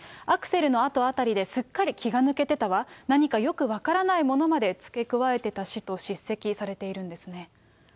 アクセルのあとあたりですっかり気が抜けてたわ、何かよく分からないものまで付け加えてたしと叱責されているんですね。